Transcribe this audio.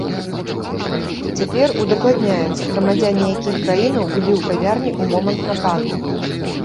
Цяпер удакладняецца, грамадзяне якіх краінаў былі ў кавярні ў момант нападу.